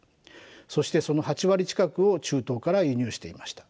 そしてその８割近くを中東から輸入していました。